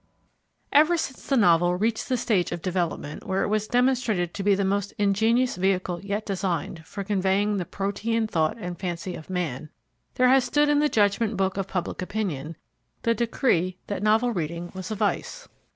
Ever since the Novel reached the stage of development where it was demonstrated to be the most ingenious vehicle yet designed for conveying the protean thought and fancy of man, there has stood in the judgment book of Public Opinion the decree that novel reading was a vice.